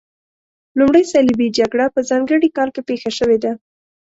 لومړۍ صلیبي جګړه په ځانګړي کال کې پیښه شوې ده.